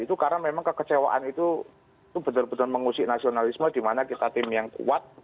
itu karena memang kekecewaan itu benar benar mengusik nasionalisme dimana kita tim yang kuat